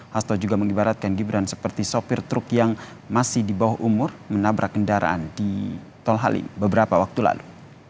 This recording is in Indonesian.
hasto juga mengibaratkan gibran seperti sopir truk yang masih di bawah umur menabrak kendaraan di tol halim beberapa waktu lalu